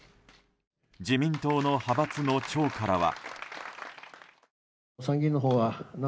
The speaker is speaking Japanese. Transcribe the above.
自民党の派閥の長からは。